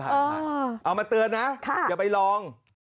เอามาเตือนนะอย่าไปลอง